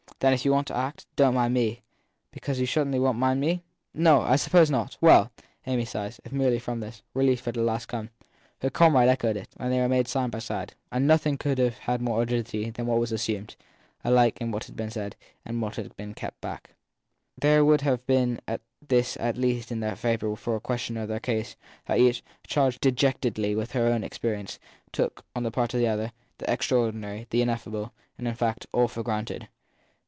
Then if you want to act, don t mind me/ 1 Because you certainly won t me ? No, I suppose not. Well ! Amy sighed, as if, merely from this, relief had at last come. Her comrade echoed it ; they remained side by side ; and nothing could have had more oddity than what was assumed alike in what they had said and in what they still kept back. There would have been this at least in their favour for a questioner of their case, that each, charged dejectedly with her own experience, took, on the part of the other, the extraordinary the ineffable, in fact all for granted.